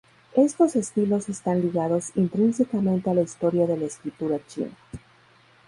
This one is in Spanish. Estos estilos están ligados intrínsecamente a la historia de la escritura china.